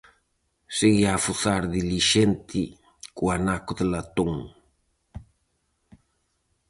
Seguía a fozar dilixente co anaco de latón.